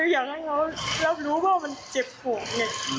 อยากให้เขารู้ว่ามันเจ็บปุ่ม